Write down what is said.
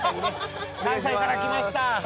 関西から来ました。